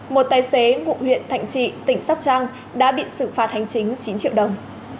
một tài xế ngụ huyện thạnh trị tỉnh sóc trăng đã bị xử phạt hành chính chín triệu đồng